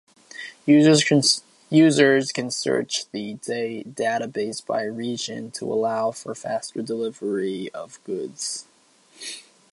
Users can search the database by region to allow for faster delivery of goods.